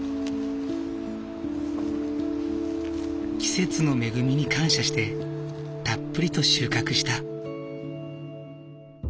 季節の恵みに感謝してたっぷりと収穫した。